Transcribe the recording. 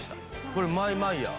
これマイマイヤー？